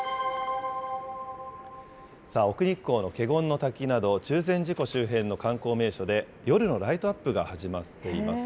奥日光の華厳滝など、中禅寺湖周辺の観光名所で、夜のライトアップが始まっています。